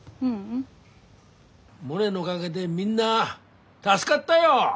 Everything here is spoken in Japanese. モネのおがげでみんな助かったよ。